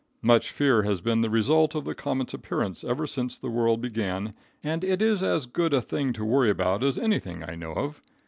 Much fear has been the result of the comet's appearance ever since the world began, and it is as good a thing to worry about as anything I know of.